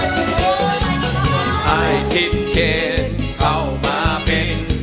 ถ่ายทิศเข้ามาเป็น